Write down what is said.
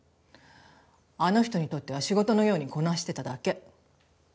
あの人にとっては仕事のようにこなしてただけ。